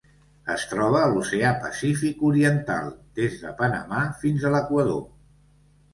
Es troba a l'Oceà Pacífic oriental: des de Panamà fins a l'Equador.